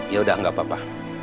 yaudah gak apa apa